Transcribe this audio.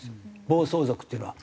暴走族っていうのは。